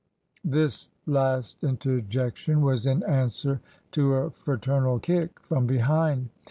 This last interjection was in answer to a fraternal kick from behind.